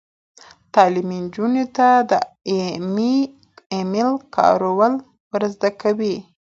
تعلیم نجونو ته د ای میل کارول ور زده کوي.